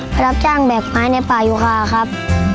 รับจ้างแบกไม้ในป่ายุคาครับ